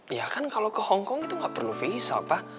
ya kan kalau ke hongkong itu nggak perlu faisal pak